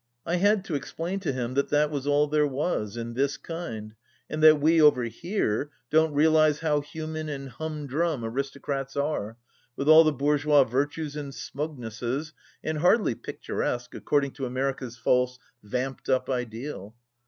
I had to explain to him that that was all there was, in this kind, and that we over here don't realize how human and humdrum aristocrats are, with all the bourgeois virtues and smugnessess, and hardly picturesque, according to America's false, vamped up ideal.